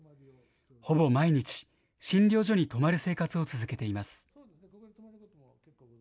ほぼ毎日、診療所に泊まる生活を続けています。